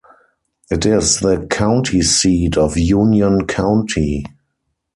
It is the county seat of Union County.